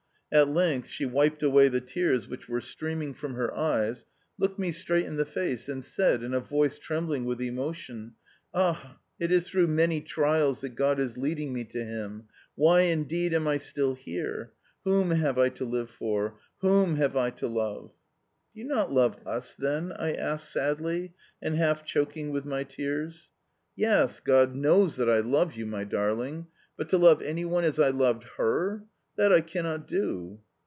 At length she wiped away the tears which were streaming from her eyes, looked me straight in the face, and said in a voice trembling with emotion: "Ah, it is through many trials that God is leading me to Him. Why, indeed, am I still here? Whom have I to live for? Whom have I to love?" "Do you not love US, then?" I asked sadly, and half choking with my tears. "Yes, God knows that I love you, my darling; but to love any one as I loved HER that I cannot do."